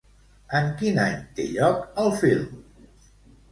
En quin any té lloc el film?